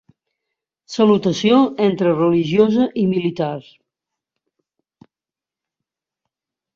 Salutació entre religiosa i militar.